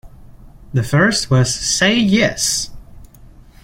The first was Say Yes!